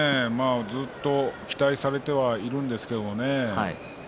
ずっと期待されてはいるんですけどね